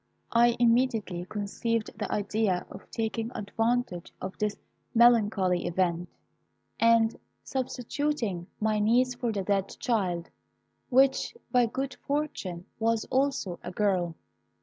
"I immediately conceived the idea of taking advantage of this melancholy event, and substituting my niece for the dead child, which, by good fortune, was also a girl.